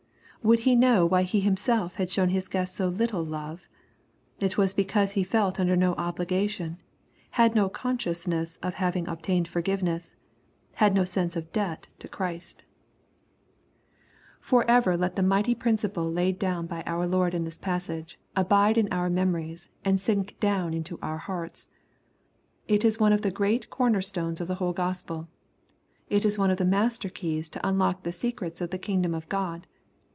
Would he know why he himself had shown his guest so little love ? It was because he felt under no obligation, — had no consciousness of having obtained forgiveness, — had no sense of debt to Christ. 288 SXPOSITOBT THOUGHTS. Forever let the mighty principle laid do^u by oai Lord in ihis passage, abide in our memories, and sink down into our hearts. It is one of the great corner stones of the whole GospeL It is one of the master keys to unlock the secrets of the kingdom of God.